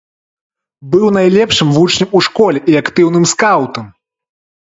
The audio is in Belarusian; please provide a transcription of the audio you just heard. Быў найлепшым вучнем у школе і актыўным скаўтам.